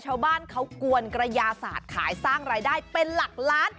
ชาวบ้านเขากวนกระยาศาสตร์ขายสร้างรายได้เป็นหลักล้าน